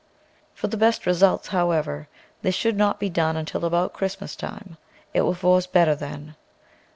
For the best results, however, this should not be done until about Christmas time, it will force better then.